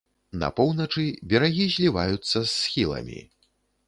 На поўначы берагі зліваюцца з схіламі.